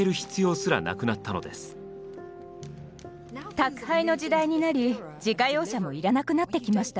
宅配の時代になり自家用車も要らなくなってきました。